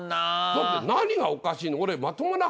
だって何がおかしいの？